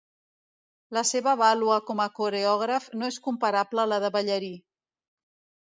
La seva vàlua com a coreògraf no és comparable a la de ballarí.